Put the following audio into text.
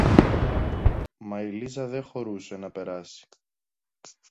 Μα η Λίζα δε χωρούσε να περάσει